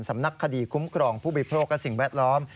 สำนักคดีคุ้มครองผู้บริโภคและสิ่งแวดล้อม